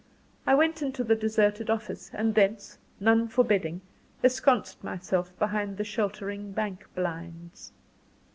I went into the deserted office; and thence, none forbidding, ensconced myself behind the sheltering bank blinds.